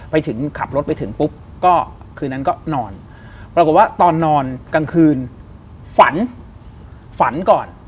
ไปถึงขับรถไปถึงปุ๊บก็คืนนั้นก็นอนปรากฏว่าตอนนอนกลางคืนฝันฝันก่อน